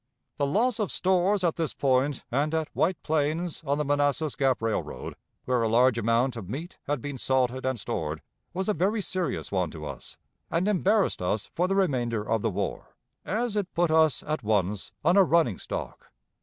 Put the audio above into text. The loss of stores at this point and at White Plains on the Manassas Gap Railroad, where a large amount of meat had been salted and stored, was a very serious one to us, and embarrassed us for the remainder of the war, as it put us at once on a running stock."